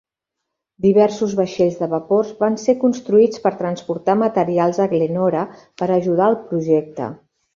Diversos vaixells de vapor van ser construïts per transportar materials a Glenora per ajudar el projecte.